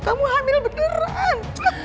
kamu hamil beneran